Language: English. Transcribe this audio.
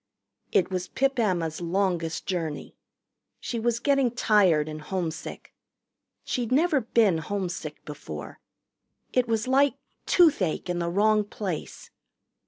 It was Pip Emma's longest journey. She was getting tired and homesick. She'd never been homesick before. It was like toothache in the wrong place.